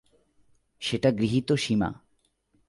সেটা গৃহীত সীমা।